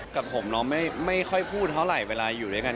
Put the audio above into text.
กับผมเราไม่ค่อยพูดเท่าไหร่เวลาอยู่ด้วยกัน